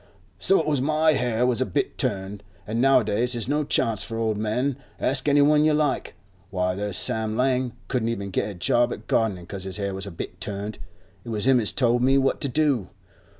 'So it was. My hair was a bit turned, an' nowadays there's no chance for old men. Ask any one you like. Why, there's Sam Lang couldn't even get a job at gardenin' 'cause his hair was a bit turned. It was him as told me what to do.